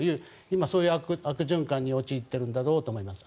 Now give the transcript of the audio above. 今、そういう悪循環に陥っているんだろうと思います。